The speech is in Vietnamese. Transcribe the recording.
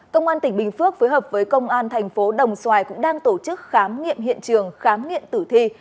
công an tỉnh bình phước phối hợp với công an thành phố đồng xoài cũng đang tổ chức khám nghiệm hiện trường khám nghiệm tử thi